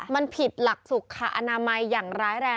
มันผิดหลักสุขอนามัยอย่างร้ายแรง